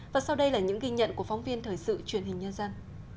và sau đây là những ghi nhận của phóng viên thời sự truyền hình nhân dân